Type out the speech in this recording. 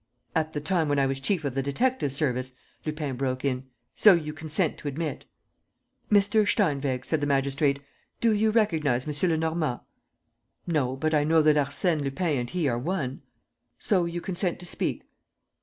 ..." "At the time when I was chief of the detective service," Lupin broke in. "So you consent to admit." "Mr. Steinweg," said the magistrate, "do you recognize M. Lenormand?" "No, but I know that Arsène Lupin and he are one." "So you consent to speak?"